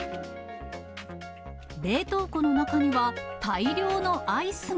冷凍庫の中には、大量のアイスも。